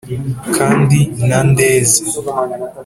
Kandi na Ndeze,